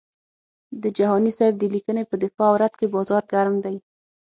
د جهاني صاحب د لیکنې په دفاع او رد کې بازار ګرم دی.